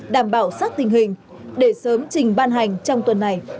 đảm bảo sát tình hình để sớm trình ban hành trong tuần này